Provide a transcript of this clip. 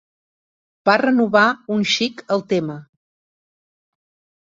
Va renovar un xic el tema